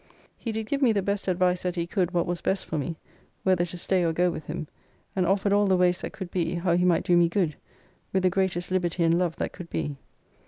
He did give me the best advice that he could what was best for me, whether to stay or go with him, and offered all the ways that could be, how he might do me good, with the greatest liberty and love that could be.